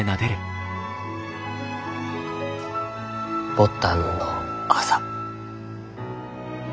牡丹の痣。